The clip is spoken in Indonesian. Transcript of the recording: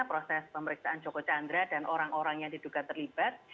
proses pemeriksaan joko chandra dan orang orang yang diduga terlibat